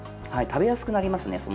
食べやすくなりますね。